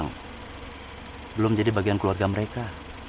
belum jadi bagian keluarga mereka